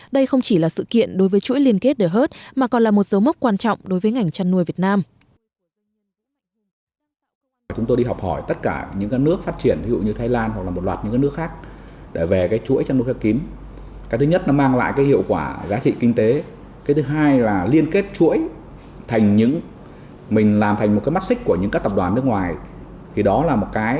đây không chỉ là sự kiện đối với chuỗi liên kết đều hết mà còn là một dấu mốc quan trọng đối với ngành chăn nuôi việt nam